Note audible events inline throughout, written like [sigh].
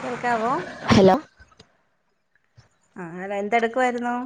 കേൾക്കാവോ? ഹലോ. ആഹ് ആള് എന്തെടുക്കുവായിരുന്നു?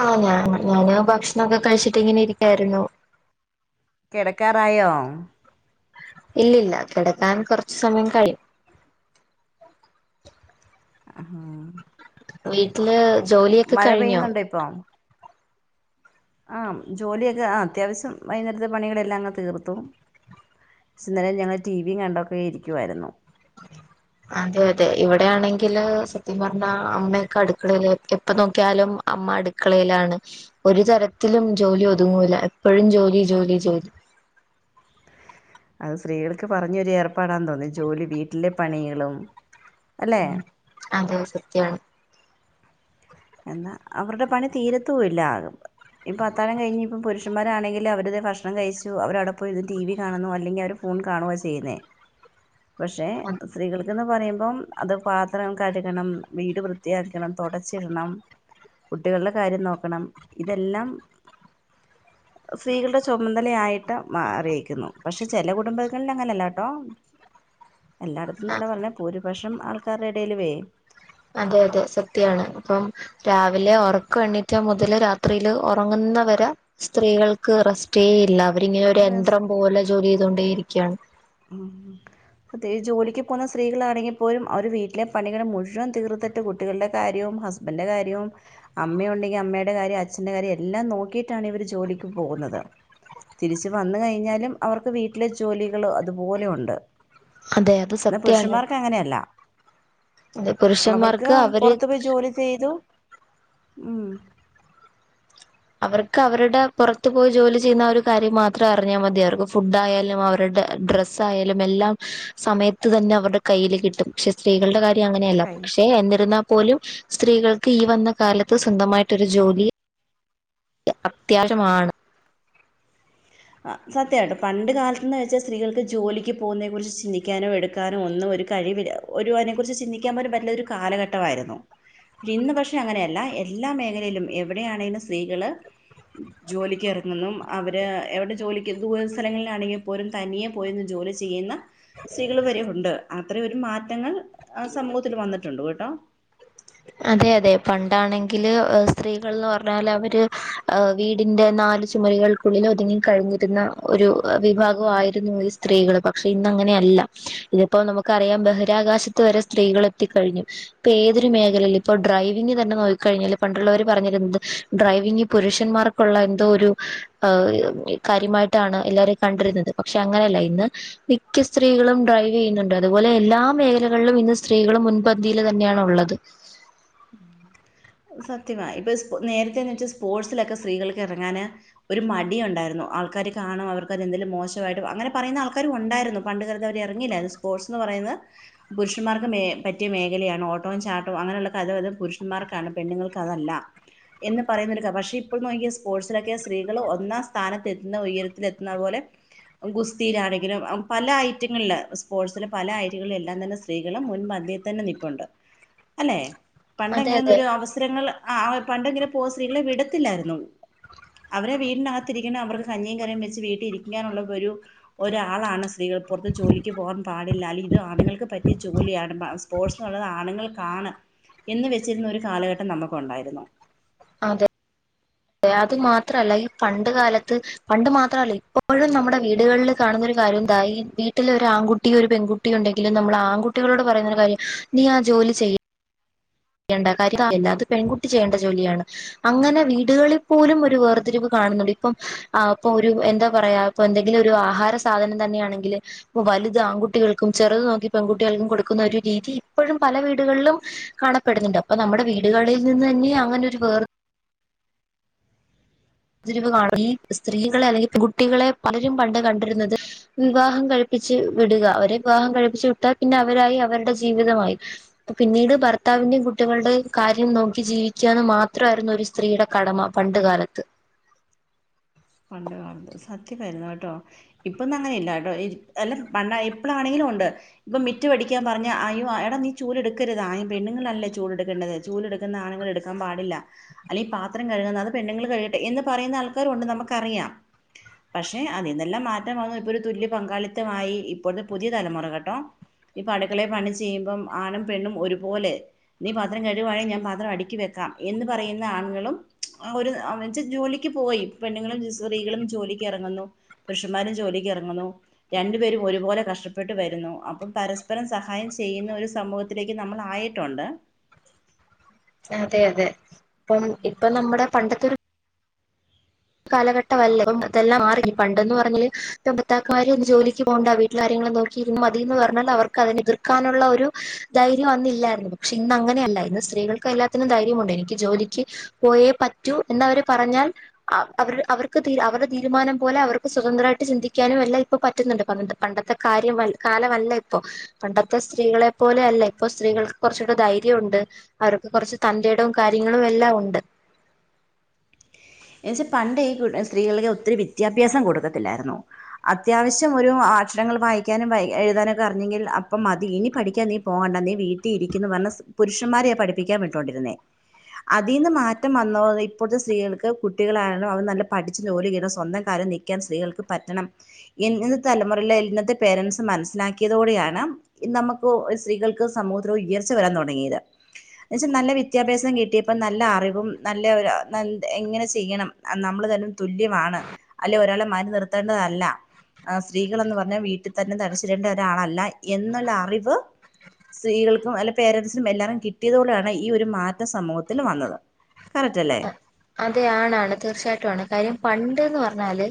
ആഹ് [unintelligible] ഞാ ഭക്ഷ്ണൊക്കെ കഴ്ച്ചിട്ട് ഇങ്ങനെ ഇരിക്കായിരുന്നു. കേടക്കാറായോ? ഇല്ലില്ല കേടക്കാൻ കൊർച്ച് സമയം കഴിം. അഹാ. വീട്ടില് ജോലിയൊക്കെ കഴിഞ്ഞോ? പെയ്യുന്നുണ്ടോ ഇപ്പൊ ആഹ് ജോലിയൊക്കെ ആഹ് അത്യാവശ്യം വൈകുന്നരത്തെ പണികളെല്ലാം അങ്ങ് തീർത്തു. സിന്നലെ ഞങ്ങള് ടി വിയും കണ്ടൊക്കെ ഇരിക്കുവായിരുന്നു. അതെ അതെ ഇവിടെയാണെങ്കില് സത്യം പറഞ്ഞാ അമ്മയൊക്കെ അടുക്കളയില് എപ്പ നോക്കിയാലും അമ്മ അട് ക്കളേലാണ് ഒരു തരത്തിലും ജോലി ഒതുങ്ങൂല്ലാ എപ്പഴും ജോലി ജോലി ജോലി അത് സ്ത്രീകൾക്ക് പറഞ്ഞൊരു ഏർപ്പാടാന്ന് തോന്നു ഈ ജോലി വീട്ടിലെ പണികളും അല്ലെ അതെ സത്യാണ്. എന്നാ അവരുടെ പണി തീരത്തൂ ഇല്ലാ [unintelligible] ഇപ്പോ അത്താഴം കഴിഞ്ഞ് ഇപ്പ പുരുഷന്മാരാണെങ്കില് അവര് ദേ ഭക്ഷണം കഴിച്ചു അവരവിടെപ്പോയിരുന്ന് ടി വി കാണുന്നു അല്ലെങ്കിൽ അവര് ഫോൺ കാണുവാ ചെയ്യുന്നേ. പക്ഷെ സ്ത്രീകൾക്ക്ന്ന് പറയുമ്പം അത് പാത്രം കഴുകണം, വീട് വൃത്തിയാക്കണം, തൊടച്ച് ഇടണം, കുട്ടികളുടെ കാര്യം നോക്കണം ഇതെല്ലാം സ്ത്രീകളുടെ ചൊമതലയായിട്ട് മാറിയേക്കുന്നു പക്ഷെ ചെല കുടുംബങ്ങളിൽ അങ്ങനെയല്ലാട്ടോ. എല്ലാടത്തുന്നല്ലാ പറയണേ ഭൂരിപക്ഷം ആൾക്കാരുടെ എടയിലുവേ അതെ അതെ സത്യാണ് അപ്പം രാവിലെ ഒറക്കം എണീറ്റ മുതല് രാത്രിയില് ഒറങ്ങുന്നവരെ സ്ത്രീകൾക്ക് റെസ്‌റ്റേ ഇല്ലാ. അവരിങ്ങനെ ഒരു യന്ത്രം പോലെ ജോലി ചെയ്തോണ്ടേയിരിക്കാണ്. ഉം പ്രത്യേകിച്ച് ജോലിക്ക് പോന്ന സ്ത്രീകളാണെങ്കി പോലും അവര് വീട്ടിലെ പണി ഇങ്ങനെ മുഴുവൻ തീർത്തട്ട് കുട്ടികൾടെ കാര്യവും ഹസ് ബൻ്റെ കാര്യവും അമ്മയൊണ്ടെങ്കി അമ്മേടെ കാര്യം അച്ഛൻ്റെ കാര്യം എല്ലാം നോക്കിട്ടാണ് ഇവര് ജോലിക്ക് പോവുന്നത് തിരിച്ച് വന്ന് കഴിഞ്ഞാലും അവർക്ക് വീട്ടിലെ ജോലികള് അതുപോലെ ഇണ്ട്. അതെ അത് ഇന്നാ സത്യാണ് പുരുഷന്മാർക്ക് അങ്ങനെയല്ലാ അത് അവർക്ക് പുരുഷന്മാർക്ക് അവര് പൊറത്ത് പോയി ജോലി ചെയ്തു ഉം അവർക്ക് അവര്ടെ പൊറത്ത് പോയി ജോലി ചെയ്യുന്ന ആ ഒരു കാര്യം മാത്രം അറിഞ്ഞാമതി അവർക്ക് ഫുഡായാലും അവരുട ഡ്രസ് സ്സായലും എല്ലാം സമയത്ത് തന്നെ അവരുടെ കൈയ്യില് കിട്ടും പക്ഷെ സ് സ്ത്രീകളുടെ കാര്യം അങ്ങനെയല്ലാ പക്ഷെ എന്നിരുന്നാ പോലും സ്ത്രീകൾക്ക് ഈ വന്ന കാലത്ത് സ്വന്തമായ്ട്ടൊരു ജോലി എ അത്യാവശ്യമാണ് ആഹ് സത്യാട്ടോ പണ്ട് കാലത്ത്ന്ന് വെച്ചാ സ്ത്രീകൾക്ക് ജോലിക്ക് പോന്നെ കുറിച്ച് ചിന്തിക്കാനോ എട് ക്കാനോ ഒന്നു ഒര് കഴിവില്ലാ ഒരു അയ്നെ കുറിച്ച് ചിന്തിക്കാൻ പോലും പറ്റില്ലാ ഒര് കാലഘട്ടവായിരുന്നു. ഇന്ന് പക്ഷെ അങ്ങനെയല്ലാ എല്ലാ മേഖലേലും എവിടെ ആണേലും സ്ത്രീകള് ജോലിക്ക് എറങ്ങുന്നും അവര് എവടെ ജോലിക്ക് ദൂരെ സ്ഥലങ്ങളിലാണെങ്കി പോലും തനിയെ പോയി നിന്ന് ജോലി ചെയ്യുന്ന സ്ത്രീകള് വരെ ഒണ്ട് അത്രേം ഒരു മാറ്റങ്ങൾ ആ സമൂഹത്തില് വന്നിട്ടൊണ്ട് കേട്ടോ അതെ അതെ പണ്ടാണെങ്കില് സ്ത്രീകൾന്ന് പറഞ്ഞാലവര് ആഹ് വീടിന്റ നാല് ചുമരുകൾക്കുള്ളില് ഒതുങ്ങി കഴിഞ്ഞിരുന്ന ഒരു വിഭാഗവായിരുന്നു ഈ സ്ത്രീകള് പക്ഷെ ഇന്ന് അങ്ങനെ അല്ലാ ഇന്നിപ്പോ നമ്മക്കറിയാം ബഹിരാകാശത്ത് വരെ സ്ത്രീകളെത്തിക്കഴിഞ്ഞു ഇപ്പ ഏതൊരു മേ ഖലേല് ഇപ്പൊ ഡ്രൈവിംഗ് തന്നെ നോക്കി കഴിഞ്ഞാല് പണ്ടുള്ളവര് പറഞ്ഞിരുന്നത് ഡ്രൈവിംഗ് പുരുഷന്മാർക് ക്കുള്ള എന്തോ ഒരു ആഹ് ഈ കാര്യമായിട്ടാണ് എല്ലാരും കണ്ടിരുന്നത് പക്ഷെ അങ്ങനല്ലാ ഇന്ന് മിക്ക സ്ത്രീകളും ഡ്രൈവ് ചെയ്യുന്നുണ്ട് അതുപോലെ എല്ലാ മേഖലകളിലും ഇന്ന് സ്ത്രീകള് മുൻപന്തീല് തന്നെയാണൊള്ളത്. അത് സത്യമാ ഇപ്പ സ് നേരത്തെ എന്ന് വെച്ചാ സ്പോർട്സിലൊക്കെ സ്ത്രീകൾക്ക് എറങ്ങാന് ഒര് മടി ഒണ്ടാരുന്നു ആൾക്കാര് കാണും അവർക്കത് എന്തേലും മോശവായിട്ട് അങ്ങനെ പറേന്ന ആൾക്കാരും ഒണ്ടാരുന്നു പണ്ട് കാലത്ത് അവരെറങ്ങില്ലാരുന്നു സ്പോർട്സ്ന്ന് പറയുന്നെ പുരുഷന്മാർക്ക് മേ പറ്റിയ മേഖലയാണ് ഓട്ടവും ചാട്ടവും അങ്ങനെയുള്ള [unintelligible] അത് പുരുഷന്മാർക്കാണ് പെണ്ണ്ങ്ങൾക്കതല്ലാ എന്ന് പറെന്നൊര്ക്ക പക്ഷേ ഇപ്പ നോക്കിയ സ്പോർട്സിലെക്കെ സ്ത്രീകളു ഒന്നാം സ്ഥാനത്ത് എത്ത്ന്ന ഉയരത്തിലെത്ത്ന്ന പോലെ ഗുസ്തിലാണെങ്കിലും അം പല ഐറ്റങ്ങൾല് സ്പോർട്സ് ല് പല ഐറ്റങ്ങളില് എല്ലാം തന്നെ സ് സ്ത്രീകള് മുൻപന്തി തന്നെ നിപ്പൊണ്ട് അല്ലെ അതെ അതെ പണ്ടെങ്ങനെന്നൊരു അവസ് സരങ്ങള് ആ അ പണ്ടെങ്ങനെ പോവ സ്ത്രീകളെ വിടത്തില്ലാര്ന്നു അവരെ വീട്നാത്തിരിക്കണ അവർക്ക് കഞ്ഞീം കറിം വെച്ച് വീട്ടി ഇരികങ്ങാനൊള്ള ഒരു ഒരു ഒരാളാണ് സ് ത്രീകള് പൊറത്ത് ജോലിക്ക് പോകാൻ പാടില്ല അല്ലെ ഇത് ആണ്ങ്ങൾക്ക് പറ്റിയ ജോലിയാണ് മ സ്പോർട്സ്ന്ന് ആണ്ങ്ങൾക്കാണ് എന്ന് വെച്ചിര്ന്ന ഒരു കാലഘട്ടം നമ്ക്കൊണ്ടാര്ന്നു. ഏഹ് അതുമാത്രല്ല ഈ പണ്ട് കാലത്ത് പണ്ട് മാത്രല്ല ഇപ്പോഴും നമ്മട വീട്കൾല് കാണുന്നൊരു കാര്യോ എന്താ ഈ വീട്ട്ലൊരാ ആങ്കുട്ടീ ഒര് പെങ്കു ട്ടി ഒണ്ടെങ്കിലും നമ്മള് ആങ്കുട്ടികളോട് പറെന്നൊര് കാര്യം നീ ആ ജോലി ചെയ് യ്യണ്ട കാര്യ [unintelligible] അത് പെൺകുട്ടി ചെയ്യണ്ട ജോലിയാണ് അങ്ങനെ വീട്കളിൽ പോലും ഒര് വേർതിരിവ് കാണുന്നുണ്ട് ഇപ്പം ആ ഇപ്പൊ ഒരു എന്താ പറയാ ഇപ്പൊ എന്തെങ്കിലൊരു ആഹാര സാധനം തന്നെയാണെങ്കില് വലുത് ആങ്കുട്ടികൾക്കും ചെറുത് നോക്കി പെങ്കുട്ടികൾക്കും കൊട്ക്കുന്ന ഒരു രീതി ഇപ്പോഴും പല വീട്കളിലും കാണപ്പെട്ന്നുണ്ട് അപ്പൊ നമ്മടെ വീട്കളിൽ നിന്ന് തന്നെയ അങ്ങനൊര് വേർ തിരിവ് കാണും ഈ സ്ത്രീകളെ അല്ലെങ്കി കുട്ടികളെ പലരും പണ്ട് കണ്ട്ര്ന്നത് വിവാഹം കഴിപ്പിച്ച് വിട്ക അവരെ വിവാഹം കഴിപ്പിച്ച്‌ വിട്ടാൽ പിന്നെ അവരായി അവര്ടെ ജീവിതമായി പിന്നീട് ഭർത്താവിന്റെയും കുട്ടികൾടെ കാര്യം നോക്കി ജീവിക്കാന്ന് മാത്രവാര്ന്നു ഒര് സ് ത്രീയുടെ കടമ പണ്ട് കാലത്ത് പണ്ട് കാലത്ത് സത്യവായിര്ന്ന് കേട്ടോ ഇപ്പൊന്നും അങ്ങനെ ഇല്ല കേട്ടോ ഇരി അല്ല പണ്ടാ ഇപ്ളാണെങ്കില് ഒണ്ട് ഇപ്പൊ മിറ്റം അടിക്കാൻ പറഞ്ഞ അയ്യോ എടാ നീ ചൂല് എടുക്കരുത് പെണ്ണുങ്ങളല്ലേ ചൂല് എടുക്കേണ്ടത് ചൂല് എടുക്കുന്നത് ആണുങ്ങൾ എടുക്കാൻ പാടില്ല അല്ലെൽ ഈ പാത്രം കഴുകുന്നത് അത് പെണ്ണുങ്ങൾ കഴുകട്ടെ എന്ന് പറയുന്ന ആൾക്കാരും ഉണ്ട് നമുക്കറിയാം പക്ഷെ അതിനെല്ലാം മാറ്റം വന്നു ഇപ്പൊ ഒരു തുല്യ പങ്കാളിത്തമായി ഇപ്പോഴത്തെ പുതിയ തലമുറ കേട്ടോ ഇപ്പൊ അടുക്കളെ പണി ചെയ്യുമ്പം ആണും പെണ്ണും ഒരുപോലെ നീ പാത്രം കഴുകുവാണെ ഞാൻ പാത്രം അടുക്കി വെക്കാം എന്ന് പറയുന്ന ആണുങ്ങളും ഒരു എന്ന് വച്ചാ ജോലിക്ക് പോയി പെണ്ണുങ്ങളും സ്ത്രീകളും ജോലിക്ക് ഇറങ്ങുന്നു പുരുഷന്മാരും ജോലിക്ക് ഇറങ്ങുന്നു രണ്ടുപേരും ഒരുപോലെ കഷ്ടപ്പെട്ടു വരുന്നു അപ്പം പരസ്പരം സഹായം ചെയ്യുന്ന ഒരു സമൂഹത്തി ഇതിലേക്ക് നമ്മളായിട്ടുണ്ട് അതെ അതെ ഇപ്പം ഇപ്പൊ നമ്മുടെ പണ്ടത്തൊരു കാലഘട്ടമല്ല ഇന്നെല്ലാം മാറി പണ്ടെന്ന് പറഞ്ഞല് ഭർത്താക്കന്മാര് ജോലിക്ക് പോകേണ്ട വീട്ട് കാര്യങ്ങൾ നോക്കിയിരുന്നാ മതീന്ന് പറഞ്ഞാൽ അവർക്ക് അതിനെ എതിർക്കാനുള്ള ഒരു ധൈര്യം അന്നില്ലായിരുന്നു പക്ഷെ ഇന്ന് അങ്ങനെയല്ല ഇന്ന് സ്ത്രീകൾക്ക് എല്ലാത്തിനും ധൈര്യമുണ്ട് എനിക്ക് ജോലിക്ക് പോയേ പറ്റൂ എന്നവര് പറഞ്ഞാൽ അവ അവർക്ക് അവരുടെ തീരുമാനം പോലെ അവർക്ക് സ്വതന്ത്രമായിട്ട് ചിന്തിക്കാനും എല്ലാം ഇപ്പൊ പറ്റുന്നുണ്ട് പണ്ടത്തെ പണ്ടത്തെ കാര്യം കാലമല്ല ഇപ്പൊ പണ്ടത്തെ സ്ത്രീകളെ പോലെ അല്ല ഇപ്പൊ സ്ത്രീകൾക്ക് കുറച്ചൂടെ ധൈര്യം ഉണ്ട് അവർക്ക് കുറച്ച് തൻ്റെടവും കാര്യങ്ങളും എല്ലാം ഉണ്ട് എന്ന് വച്ചാൽ പണ്ട് ഈ സ്ത്രീകൾക്ക് ഒത്തിരി വിദ്യാഭ്യാസം കൊടുക്കത്തില്ലായിരുന്നു അത്യാവശ്യം ഒരു അക്ഷരങ്ങൾ വായിക്കാനും എഴുതാനുമൊക്കെ അറിഞ്ഞെങ്കിൽ അപ്പം മതി ഇനി പഠിക്കാൻ നീ പോണ്ട നീ വീട്ടിൽ ഇരിക്കന്ന് പറഞ്ഞ് പുരുഷന്മാരെയാണ് പഠിക്കാൻ വിട്ടോണ്ടിരുന്നേ അതീന്ന് മാറ്റം വന്ന ഇപ്പോഴത്തെ സ്ത്രീകൾക്ക് കുട്ടികളായാലും അവര് നല്ല പഠിച്ച് ജോലി കിട്ടണം സ്വന്തം കാലിൽ നിൽക്കാൻ സ്ത്രീകൾക്ക് പറ്റണം ഇന്നത്തെ [unintelligible] തലമുറയില് ഇന്നത്തെ പേരൻറ്സ് മനസ്സിലാക്കിയതോടെയാണ്. നമുക്ക് സ്ത്രീകൾക്ക് സമൂഹത്തിൽ ഉയർച്ച വരാൻ തുടങ്ങിയത്. എന്നെച്ച നല്ല വിദ്യാഭ്യാസം കിട്ടിയപ്പൊ നല്ല അറിവും നല്ല എങ്ങനെ ചെയ്യണം. നമ്മള് തന്നെ തുല്യമാണ്. അല്ലെ ഒരാളെ മാറി നിർത്തേണ്ടതല്ല. ആ സ്ത്രീകളന്ന് പറ്ഞ്ഞാ വീട്ടിൽ തന്നെ തടച്ചിടെണ്ട ഒരാളല്ല എന്നുള്ള അറിവ് സ്ത്രീകൾക്കും അല്ലെ പേരൻറ്സിനും എല്ലാതും കിട്ടിയതോടെയാണ് ഈ ഒരു മാറ്റം സമൂഹത്തിൽ വന്നത്. കറക്റ്റല്ലേ? അതെ ആണാണ്. തീർച്ചയായിട്ടും ആണ്. കാര്യം പണ്ട്ന്ന് പറ്ഞ്ഞാല്,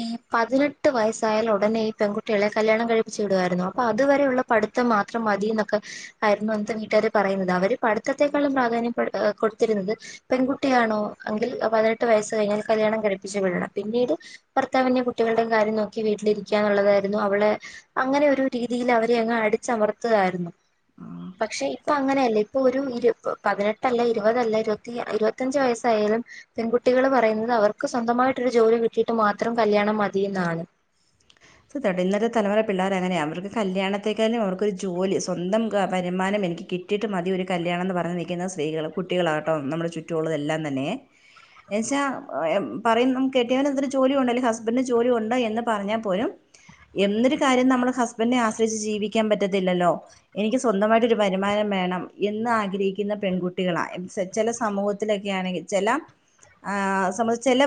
ഈ പതിനെട്ട് വയസ്സായാല് ഉടനെ ഈ പെൺകുട്ടികളെ കല്യാണം കഴിപ്പിച്ചു വിടുവായിരുന്നു. അപ്പൊ അതുവരെയുള്ള പടിത്തം മാത്രം മതി ഇന്നൊക്കെ ആയിരുന്നു അന്നത്തെ വീട്ടുകാര് പറയുന്നത്. അവര് പഠിത്തത്തെക്കാളും പ്രാധാന്യം കൊടുത്തിരുന്നത്. പെൺകുട്ടിയാണൊ എങ്കിൽ പതിനെട്ട് വയസ്സ് കഴിഞ്ഞാല് കല്യാണം കയിപ്പിച്ചു വിടണം പിന്നീട് ഭർത്താവിന്റെയും കുട്ടികളുടെയും കാര്യം നോക്കി വീട്ടിലിരിക്കാന്നുള്ളതായിരുന്നു അവളെ അങ്ങനെ ഒരു രീതിയില് അവരെ അടിച്ചമർത്തുകായിരുന്നു. പക്ഷെ ഇപ്പൊ അങ്ങനെയല്ല. ഇപ്പൊ ഒരു പതിനെട്ടല്ല, ഇരുപതല്ല, ഇരുപത്തി ഇരുപത്തഞ്ച് വയസ് യാലും പെൺകുട്ടികള് പറയുന്നത് അവർക്ക് സ്വന്തമായിട്ടൊരു ജോലി കിട്ടിയിട്ട് മാത്രം കല്യാണം മതീന്നാണ്. ഇന്നത്തെ തലമുറ പിള്ളേരങ്ങനെയാ. അവർക്ക് കല്യാണത്തേക്കാളും അവർക്കൊരു ജോലി സ്വന്തം വെരുമാനം എനിക്ക് കി കിട്ടിട്ട് മതി ഒരു കല്യാണംന്ന് പറഞ്ഞു നിൽക്കുന്ന സ്ത്രീകള് കുട്ടികളാട്ടോ നമ്മുടെ ചുറ്റുള്ളതെല്ലാരും തന്നെ. എന്നച്ചാ പറയും കെട്ടിയവനന്തി ന ജോലിയണ്ടോ അല്ലെങ്കി ഹസ്ബൻഡിന് ജോലി ഉണ്ട് എന്ന് പറഞ്ഞാ പോലും. എന്നൊരു കാര്യം നമ്മൾ ഹസ്ബൻഡിനെ ആശ്രയിച്ച് ജീവിക്കാൻ പറ്റത്തില്ലല്ലോ. എനിക്ക് സ്വന്തമായിട്ടൊരു വരുമാനം വേണം എന്ന് ആഗ്രഹിക്കുന്ന പെൺകുട്ടികളാ ചെല സമൂഹത്തിലൊക്കെ ആണെങ്കിൽ ചെല ആ സബധ [unintelligible] ചെല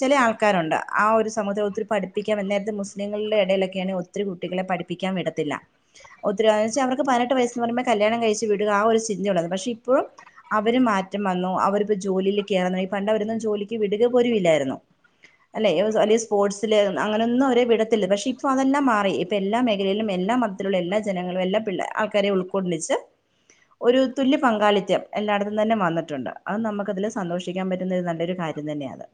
ചെല ആൾക്കാരുണ്ട്. ആ ഒരു സമൂഹം ഒത്തിരി പഠിപ്പിക്കാൻ എന്ന മുസ്ലിങ്ങളുടെ എടയിലൊക്കെയാണ് ഒത്തിരി കുട്ടികളെ പഠിപ്പിക്കാൻ വിടത്തില്ല. ഒത്തിരി [unintelligible] വച്ചാ അവർക്ക് പതിനട്ട് വയസ്സിന് പറിമ്പെ കല്യാണം കഴിച്ച് വിടുക ആ ഒരു ചിന്ത ഉള്ളത്. പക്ഷെ ഇപ്പൊ അവര് മാറ്റം വന്നു. അവര്പ്പൊ ജോലിയിൽ കേറുന്നു. പണ്ട് അവരൊന്നും ജോലിക്ക് വിടുക പോലും ഇല്ലായിരുന്നു. അല്ലെ സോ [unintelligible] അല്ലെ ഈ സ്പോർട്സില് അങ്ങനൊന്നും അവെര്. വിടത്തില്ല. പക്ഷെ ഇപ്പ അതെല്ലാം മാറി. ഇപ്പ എല്ലാ മേഖലയിലും എല്ലാ മതത്തിലുള്ള എല്ലാ ജനങ്ങളും എല്ലാ പിള്ളാ എല്ലാ ആൾക്കാരേ ഒള്ളു. പൊള്ളിച്ച്. ഒരു തുല്യ പങ്കാളിത്ത്യം എല്ലായിടത്തും തന്നെ വന്നിട്ടുണ്ട്. അത് നമുക്ക് അതില് സന്തോഷിക്കാൻ പറ്റുന്നൊരു നല്ലൊരു കാര്യം ഇത്‌ തന്ന്യെത്.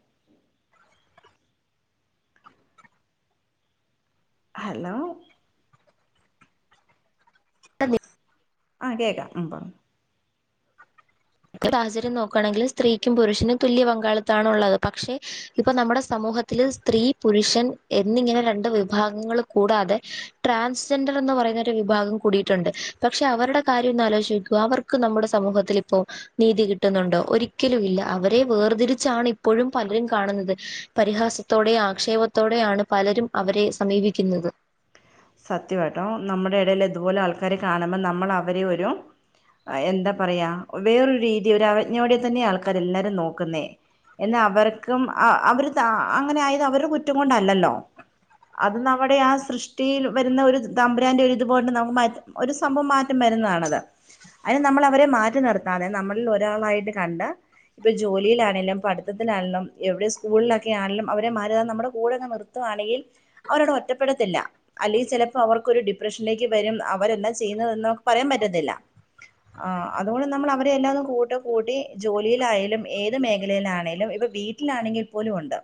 ഹലോ [unintelligible] ആ കേക്കാം. ഉം പറ്ഞ്ഞൊ - - സാഹചെര്യം നോക്കാണെങ്കില് സ്ത്രീക്കും പുരുഷനും തുല്യ പങ്കാളിത്താണൊള്ളത്. പക്ഷെ ഇപ്പ നമ്മെടെ സമൂഹത്തില് സ്ത്രീ പുരുഷൻ എന്നിങ്ങനെ രണ്ട് വിഭാഗങ്ങളും കൂടാതെ. ട്രാൻസ്ജെൻഡറും എന്ന് പറയുന്ന ഒരു വിഭാഗം കൂടിട്ടൊണ്ട്. പക്ഷെ അവരുടെ കാര്യം ഒന്ന് ആലോചിച്ച് നോക്ക് അവർ ക്ക് നമ്മുടെ സമൂഹത്തിൽ ഇപ്പോ. നീതി കിട്ടുന്നുണ്ടോ. ഒരിക്കലും ഇല്ല. അവരെ വേർതിരിച്ചാണ് ഇപ്പോഴും പലരും കാണുന്നത്. പരിഹാസത്തോടെ ആക്ഷേപത്തോടെ ആണ് പലരും അവരെ സമീപിക്കുന്നത്. സത്യവാട്ടൊ. നമ്മെടെ എടേല് ഇതുപോലെ ആൾക്കാര് കാണ് മ്പം നമ്മൾ അവരെ ഒരു. അ എന്താ പറയാ. വേറൊരു രീതി ഒരു അവജ്ഞയോടെ തന്നെ ആൾക്കാരെല്ലാരും നോക്കുന്നേ. എന്നാ അവർക്കും അവര് ത അങ്ങനെ ആയത് അവര്ടെ കുറ്റം കൊണ്ടല്ലല്ലോ. അത് നമ്മെടെ ആ സൃഷ് ടിയിൽ വെരുന്ന ഒരു തമ്പുരാന്റെ ഒരിതു പോലെണ്ട് നമുക്ക് മറ്റ് ഒരു സംഭവം മാറ്റം വെരുന്നതാണത്. അതിന് നമ്മെളവരെ മാറ്റി നിർത്താതെ നമ്മളിൽ ഒരാളായിട്ട് കണ്ട്. ഇപ്പൊ ജോലിലാണേലും പഠിത്തത്തിലാണേലും എവിടെ സ്കൂളിലൊക്കൊയാണേലും അവരെ മാറ്റി നിർത്താതേ നമ്മെടെ കൂടെയങ്ങ് നിർ നിർത്തുവാണെകിൽ അവരവെടെ ഒറ്റപ്പെടുത്തില്ല. അല്ലേൽ ചെലപ്പോ അവർക്കൊരു ഡിപ്രഷനിലേക്ക് വെരും അവരെന്നാ ചെയ്യുന്നതെന്ന് നമ്മെക്ക് പറയാൻ പറ്റത്തില്ല. ആ അതുകൊണ്ട് നമ്മൾ അവരെ എല്ലാതെ കൂട്ടം കൂട്ടി ജോലിയിലായാലും ഏത് മേഖലയിലാണേലും ഇപ്പ വീ വീട്ടിലാണെങ്കിൽ പോലും ഒണ്ട്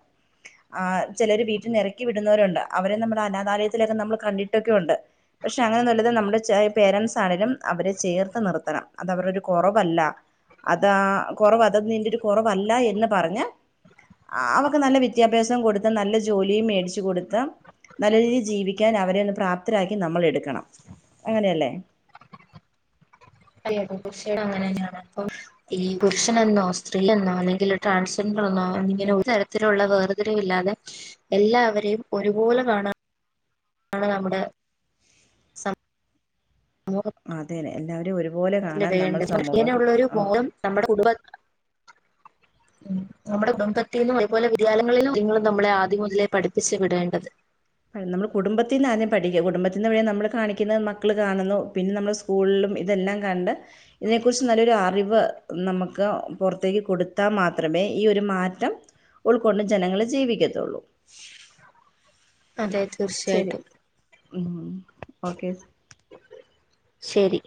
ആഹ് ചെലര് വീട്ടിന്ന് എറക്കി വിടുന്നോരൊണ്ട് അവരെ നമ്മെടെ അനാഥാലയ ത്തിലെക്കെ നമ്മെള് കണ്ടിട്ടെക്കെയൊണ്ട്. പക്ഷെ അങ്ങനെ ഒന്നല്ലാതെ നമ്മുടെ പേരെൻസ് ആണേലും അവരെ ചേർത്ത് നിർത്തണം അത് അവെരുടൊരു കൊറവല്ല. അതാ കൊറവ് അതൊന്നും നിന്റെ കൊറവല്ലായെന്ന് പറഞ്ഞ്. അവക്ക് നല്ല വിദ്യാഭ്യാസം കൊടുത്ത് നല്ല ജോലിയും മേടിച്ചു കൊടുത്ത് നല്ല രീതി ജീവിക്കാൻ അവരെയൊന്ന് പ്രാപ്തരാക്കി നമ്മൾ എടുക്കണം. അങ്ങനെയല്ലേ അല്ലാ [unintelligible] ഇപ്പൊ ഈ പുരുഷനെന്നോ സ്ത്രീയെന്നോ അല്ലെങ്കിൽ ട്രാൻസ്സെൻഡെറെന്നോ ഇങ്ങനെ ഒരു തരത്തിലുള്ള വേർ വേറ്തിരിവില്ലാതെ എല്ലാവരെയും ഒരുപോലെ കാണ ആണ് നമ്മുടെ അതെന്നെ എല്ലാവരെ ഒരുപോലെ കാണാൻ നമ്മൾ സമൂഹം ആഹ് ഉം നമ്മെടെ കുടുംബ ഉം നമ്മെടെ കുടുംബത്തിന്നും ഇതുപോലെ വിദ്യാലയങ്ങളിലും നിങ്ങള് നമ്മെളെ ആദ്യം മുതലേ പഠിപ്പിച്ചു വിടേണ്ടത്. നമ്മള് കുടുംബത്തിന്ന് ആദ്യം പഠിക്കാ കുടുംബത്തിന്ന് പിന്നെ നമ്മെള് കാണിക്കുന്ന മക്കള് കാണുന്നു പിന്നെ നമ്മള് സ് സ്കൂളിലും ഇതെല്ലാം കണ്ട്. ഇതേക്കുറിച്ച് നല്ലൊരു അറിവ് നമ്മെക്ക് പൊറത്തേക്ക് കൊടുത്താൽ മാത്രമേ ഈ ഒരു മാറ്റം. ഉൾക്കൊണ്ട് ജനങ്ങള് ജീവിക്കത്തൊള്ളൂ. അതെ ശരി തീർച്ചയായിട്ടും. ഉം ഓക്കെസ് ശരി